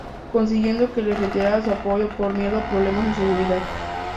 consiguiendo que les retirara su apoyo por miedo a problemas de seguridad